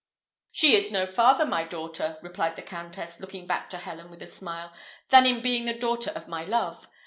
"She is no farther my daughter," replied the Countess, looking back to Helen with a smile, "than in being the daughter of my love.